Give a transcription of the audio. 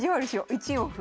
１四歩。